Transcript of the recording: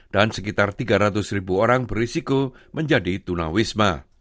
dan sekitar tiga ratus ribu orang berisiko menjadi tunawisma